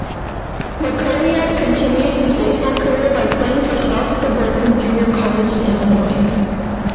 Mackowiak continued his baseball career by playing for South Suburban Junior College in Illinois.